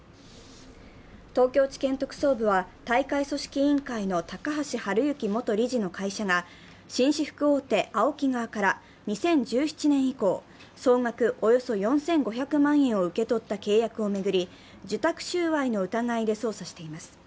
東京地検特捜部は大会組織委員会の高橋治之元理事の会社が紳士服大手・ＡＯＫＩ側から２０１７年以降、総額およそ４５００万円を受け取った契約を巡り受託収賄の疑いで捜査しています。